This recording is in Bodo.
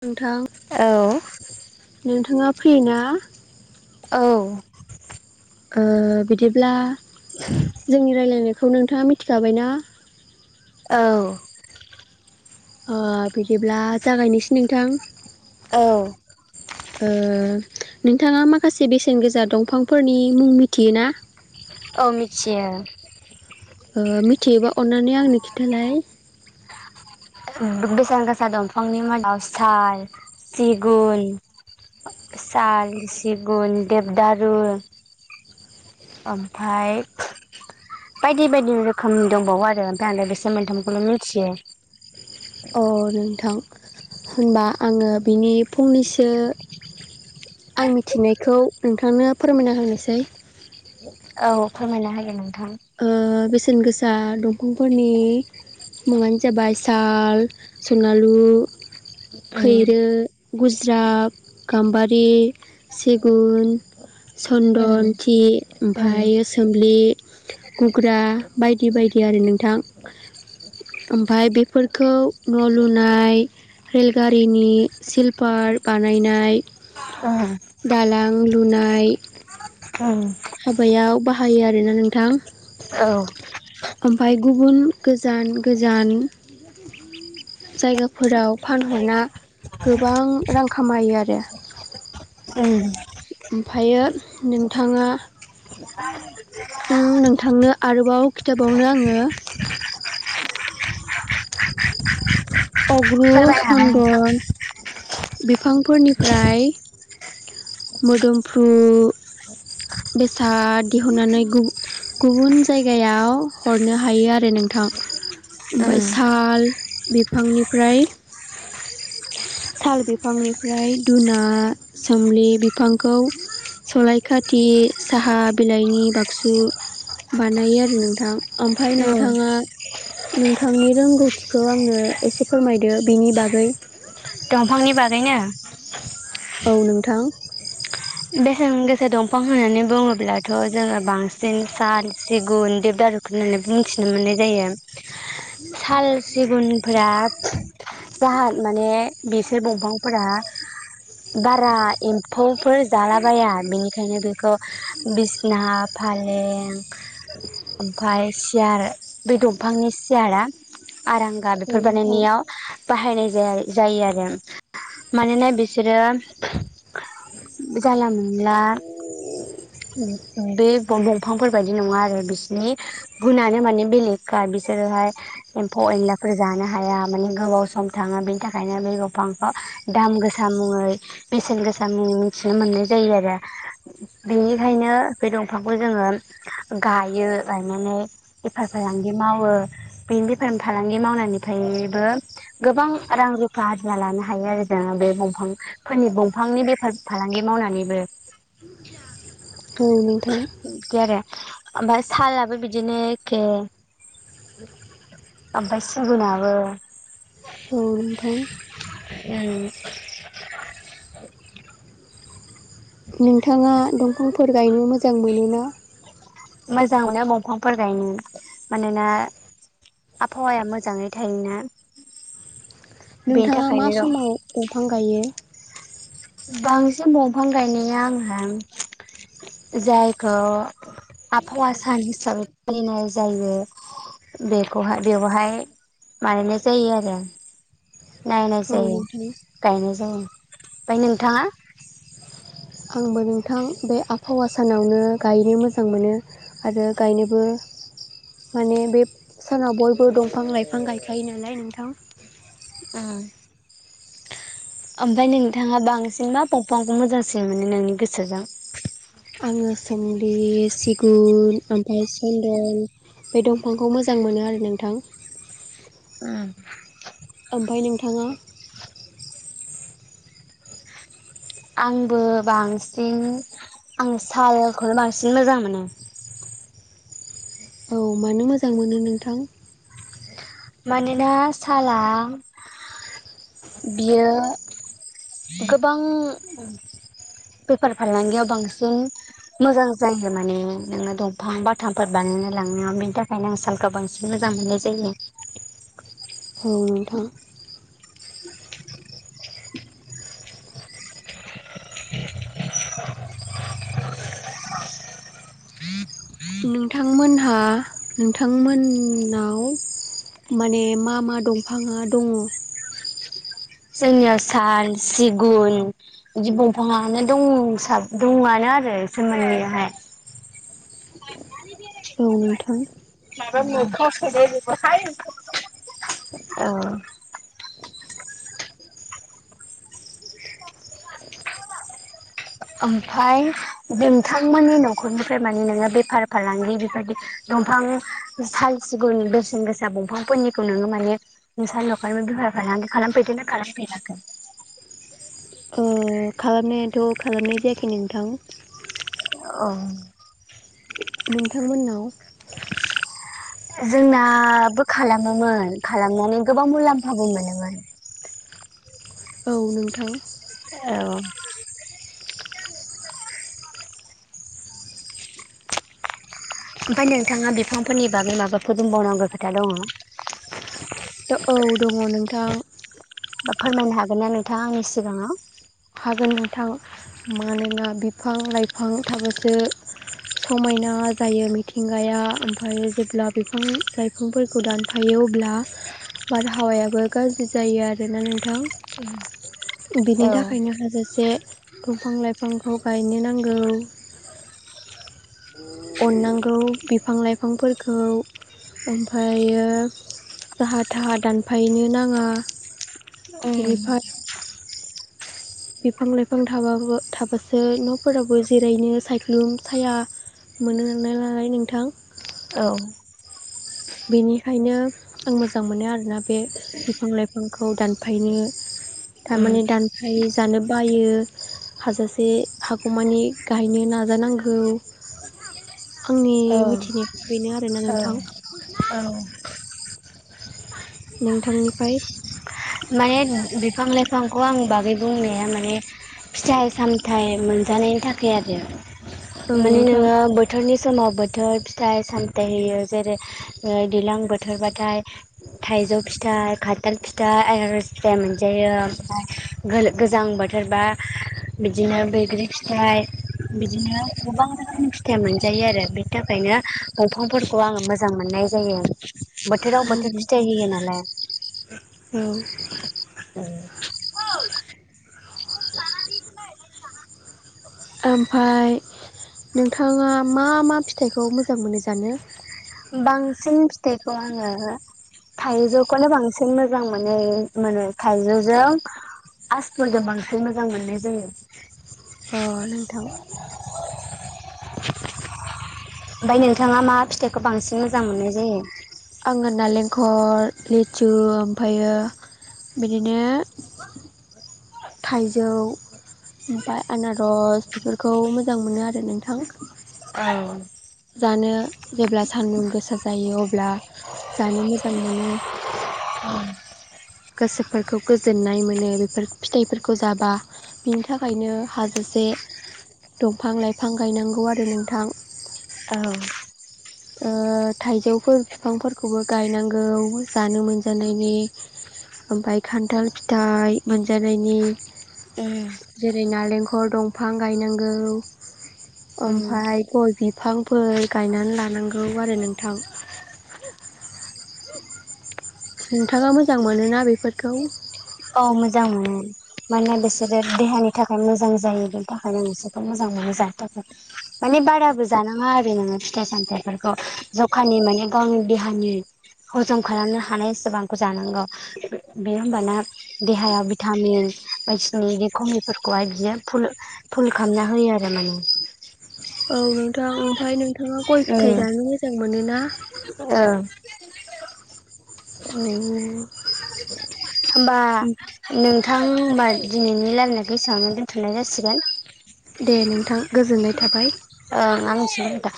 नोंथां, औ नोंथाङा फ्रि ना? औ ओ बिदिब्ला जोंनि रायलायनायखौ नोंथाङा मिथिखाबायना? औ ओ बिदिब्ला जागायनोसै नोंथां? औ। ओ नोंथाङा माखासे बेसेन गोसा दंफांफोरनि मुं मिथियो ना औ मिथियो ओ मिथियोबा अन्नानै आंनो खिथालाय । बेसेन गोसा दंफांनि मादाव साल सिगुन साल सिगुन देबदारु ओमफ्राय बायदि बायदि रोखोमनि दंबावो आरो ओमफ्राय आं बेसोर मोनथामखौल' मिथियो । अ नोंथां होनबा आङो बिनि फंनैसो आं मिथिनायखौ नोंथांनो फोरमायना होनोसै औ फोरमायनो हागोन नों । ओ बेसेन गोसा दंफांफोरनि मुङानो जाबाय साल सनालु उम खैरो गुजराफ गाम्बारि सिगुन उम सन्दन थि उम ओमफाय सोमलि गुग्रा बायदि बायदि आरो नोंथां । ओमफाय बेफोरखौ न' लुनाय रेलगारिनि सिल्पार बानायनाय उम दालां लुनाय उम हाबायाव बाहायो आरोना नोंथां । औ । ओमफाय गुबुन गोजान गोजान जायगाफोराव फानहरना गोबां रां खामायो आरो । उम ओमफायो नोंथाङा ओम नोंथांनो आरोबाव खिथाबावनो आङो अग्रु फोरमायनो हाबाय चन्दन बिफांफोरनिफ्राय मोदोमफ्रु बेसाद दिहुननानै गुबु गुबुन जायगायाव हरनो हायो आरो नोंथां ओमफ्राय उम साल बिफांनिफ्राय साल बिफांनिफ्राय दुना सोमलि बिफांखौ सलाय खाथि साहा बिलाइनि बाक्सु बानायो आरो नोंथां ओमफ्राय उम नोंथाङा नोंथांनि रोंगौथिखौ आंनो एसे फोरमायदो बिनि बागै । दंफांनि बागैनो? औ नोंथां । बेसेन गोसा दंफां होननानै बुङोब्लाथ' जोङो बांसिन साल सिगुन दिबदारु होननानै बुंथिनो मोननाय जायो साल सिगुनफोरा जाहा माने बिसोर बंफांफोरा बारा एम्फौफोर जालाबाया बेनिखायनो बेखौ बिसना फालें ओमफ्राय सियार बे दंफांनि सियारा आराम औ बेफोर नोंथां बानायनायाव बाहायनाय जाया जायो आरो । मानोना बिसोरो जानला मोनला बे दंफांफोर बायदि नङा आरो बिसोरनि गुनानो माने बेलेगखा बिसोरोहाय एम्फौ एनलाफोर जानो हाया माने गोबाव सम थाङो बेनि थाखायनो बे दंफांखौ दाम गोसा मुङो बेसेन गोसा मुं थिनो मोननाय जायो आरो बेनिखायनो बे दंफांखौ जोङो गायो लायनानै बेफार फालांगि मावो बेनि बेफार फालांगि मावनायनिफ्रायबो गोबां रां रुफा हारजिना लानो हायो आरो जोङो बे दंफांफोरनि दंफांनि बेफार फालांगि मावनानैबो । औ नोंथां । ओमफाय सालाबो बिदिनो एखे उम । ओमफाय सिगुनाबो औ नोंथां। उम [inaudible] नोंथाङा दंफांफोर गायनो मोजां मोनोना? मोजां मोनो दंफांफोर गायनो मानोना आबहावाया मोजाङै थायोना। बेनि नोंथाङा मा थाखायनो दं समाव दंफां गायो? बांसिन दंफां गायनाया आं हा जायखौ आबहावा सान हिसाबै फालिनाय जायो। बेखौहाय बेवहाय बानायनाय जायो आरो। नायनाय औ जायो नोंथां गायनाय जायो। ओमफ्राय नोंथाङा आंबो नोंथां बे आबहावा सानावनो गायनो मोजां मोनो आरो गायनोबो [inaudible] माने बे सानाव बयबो दंफां लाइफां गायखायो नालाय नोंथां। उम ओमफ्राय नोंथाङा बांसिन मा बंफांखौ मोजांसिन मोनो नोंनि गोसो आङो सोमलि सिगुन ओमफ्राय सन्दन बे दंफांखौ मोजां मोनो आरो नोंथां। उम ओमफाय नोंथाङा? आंबो बांसिन आं सालखौनो बांसिन मोजां मोनो औ मानो मोजां मोनो नोंथां। मानोना साला बियो गोबां बेफार फालांगियाव बांसिन मोजां जायो माने नोङो दंफां बाथामफोर बानाय नो‌ लांनयाव बेनि थाखायनो आं सालखौ बांसिन मोजां मोननाय जायो। औ नोंथां। नोंथांमोनहा नोंथां मोननाव माने मा मा दंफाङा दङ? जोंनियाव साल सिगुन बिदि दंफाङानो दं दंसा दंआनो आरो इसोर मोननैयाहाय [inaudible] औ नोंथां। [unintelligible] औ ओमफ्राय नोंथांमोननि न नखरनिफ्राय माने नोङो बेफार फालांगि बेबायदि दंफां साल सिगुन बेसेन गोसा दंफांफोरनिखौ नोङो माने नोंसानि नखरबो बेफार खालामफेरदोना खालामफेराखै [inaudible] ओ खालामनायाथ‌ खालामनाय जायाखै नोंथां। औ नोंथांमोननाव जोंनाबो खालामोमोन खालामनानै गोबां मुलाम्फाबो मोनोमोन। औ नोंथां। औ ओमफाय नोंथाङा बिफांफोरनि बागै माबाफोर बुंबावनांगौ खोथा दङ? औ दङ नोंथां। बा फोरमायनो हागोन ना नोंथाङा आंनि सिगाङाव? हागोन नोंथां मानोना बिफां लाइफां थाबासो समायना जायो मिथिंगाया ओमफ्राय जेब्ला बिफां लाइफांफोरखौ दानफायो अब्ला बारहावायाबो गाज्रि जायो आरोना नोंथां। [unintelligible] बेनि औ थाखाय लोगोसे दंफां लाइफांखौ गायनो नांगौ। अननांगौ बिफां लाइफांफोरखौ ओमफ्रायो जाहा थाहा दानफायनो नाङा बिनिफ्राय उम बिफां लाइफां थाबाबो थाबासो न'फोराबो जेरैनो सायख्लुम साया मोनो नालाय नोंथां औ। बेनिखायनो आं मोजां मोनो आरोना बे बिफां लाइफांखौ दानफायनो उम थारमाने दानफाय जानो बायो हाजासे हागौमानि गायनो नाजानांगौ आंनि औ मिथिनाया बेनो आरोना नोंथां। औ औ नोंथांनिफ्राय माने बिफां लाइफांखौ आं बागै बुंनाया माने फिथाइ सामथाइ मोनजानायनि थाखाय आरो औ माने नोंथां नोङो बोथोरनि समाव बोथोर फिथाइ सामथायाइ होयो जेरै दैज्लां बोथोरबाथाय थाइजौ फिथाइ खानथाल फिथाइ आनारस फिथाइ मोनजायो ओमफ्राय गो-गोजां बोथोरबा बिदिनो बैग्रि फिथाइ बिदिनो गोबां रोखोम फिथाइ मोनजायो आरो बिनि थाखायनो दंफांफोरखौ आङो मोजां मोननाय जायो। बोथोराव बोथोर फिथाइ होयो नालाय औ ओमफ्राय नोंथाङा मा मा फिथाइखौ मोजां मोनो जानो? बांसिन फिथाइखौ आङो थाइजौखौनो बांसिन मोजां मोनो मोनो थाइजौजों आसफोरजों बांसिन मोजां मोननाय जायो। अ नोंथां ओमफ्राय नोंथाङा मा फिथाइखौ बांसिन मोजां मोननाय जायो? नालेंखर लिथु ओमफ्रायो बिदिनो थाइजौ ओमफाय आनारस बेफोरखौ मोजां मोनो आरो नोंथां। औ जानो जेब्ला सान्दुं गोसा जायो अब्ला जानो मोजां मोनो [unintelligible] गोसोफोरखौ गोजोननाय मोनो बेफोर फिथाइफोरखौ जाबा बिनि थाखायनो हाजो एसे दंफां लाइफां गायनांगौ आरो नोंथां ओ थाइजौफोर बिफांफोरखौबो गायनांगौ जानो मोनजानायनि ओमफ्राय खान्थाल फिथाइ मोनजानायनि उम जेरै नालेंखर दंफां गायनांगौ उम ओमफ्राय गय बिफांफोर गायनानै लानांगौ औ आरो नोंथां। नोंथाङा मोजां मोनोना बेफोरखौ? औ मोजां मोनो मानोना बिसोरो देहानि थाखाय मोजां जायो बेनि थाखायनो बिसोरखौ मोजां मोनो। मोजां थाखाय माने बाराबो जानाङा आरो नोङो फिथाइ सामथफोरखौ जखानि माने आं देहानि हजम खालामनो हानायसेबांखौ जानांगौ बे होमबा ना देहायाव भिटामिन बायदिनि बि खमिफोरखौहाय बिदियो फुल फुल खालामना होयो। जार न [inaudible] औ नोंथां ओमफ्राय नोंथाङा गय फिथाइ जानो मोजां मोन ना ओ [unintelligible] आरो [inaudible] होमबा नोंथां होमबा दिनैनि लायरायखौ एसेबांआवनो दोन्थ'नाय जासिगोन दे नोंथां गोजोननाय थाबाय ओं आं स [inaudible] दा